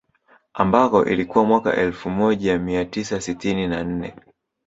Ambapo ilikuwa mwaka elfu moja mia tisa sitini na nne